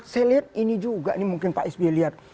saya lihat ini juga nih mungkin pak sby lihat